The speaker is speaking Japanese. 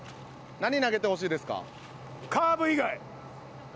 何投げてほしいですか？